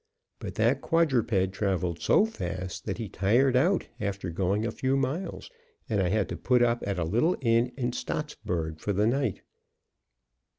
But that quadruped traveled so fast that he tired out after going a few miles, and I had to put up at a little inn at Staatsburg for the night.